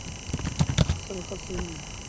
圣科斯米是葡萄牙波尔图区的一个堂区。